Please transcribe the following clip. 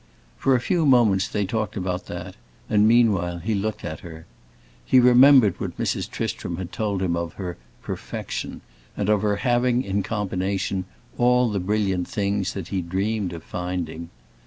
For a few moments they talked about that, and meanwhile he looked at her. He remembered what Mrs. Tristram had told him of her "perfection" and of her having, in combination, all the brilliant things that he dreamed of finding.